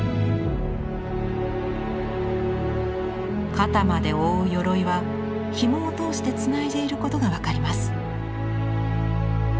肩まで覆う鎧はひもを通してつないでいることが分かります。